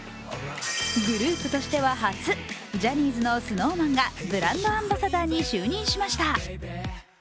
グループとしては初、ジャニーズのＳｎｏｗＭａｎがブランドアンバサダーに就任しました。